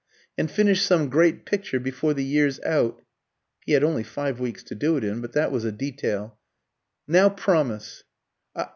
"and finish some great picture before the year's out" (he had only five weeks to do it in, but that was a detail). "Now promise."